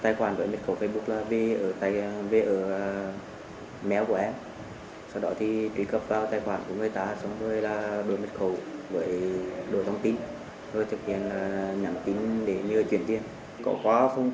làm như thế nào